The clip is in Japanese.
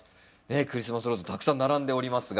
クリスマスローズたくさん並んでおりますが。